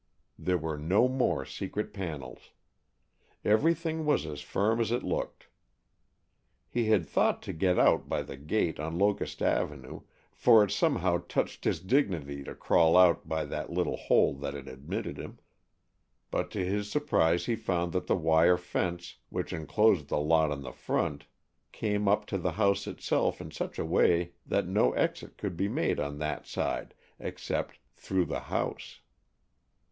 There were no more secret panels. Everything was as firm as it looked. He had thought to get out by the gate on Locust Avenue, for it somehow touched his dignity to crawl out by the little hole that had admitted him, but to his surprise he found that the wire fence, which enclosed the lot on the front, came up to the house itself in such a way that no exit could be made on that side except through the house.